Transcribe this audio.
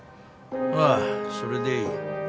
ああそれでいい。